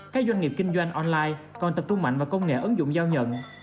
các doanh nghiệp kinh doanh online còn tập trung mạnh vào công nghệ ứng dụng giao nhận